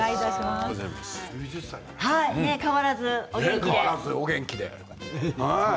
変わらず、お元気で。